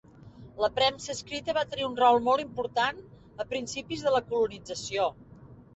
La premsa escrita va tenir un rol molt important a principis de la colonització.